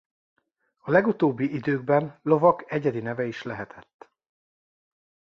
A legutóbbi időkben lovak egyedi neve is lehetett.